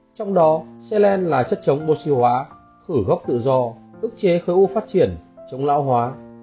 trong đó xe len là chất chống bô siu hóa khử gốc tự do ức chế khởi ưu phát triển chống lão hóa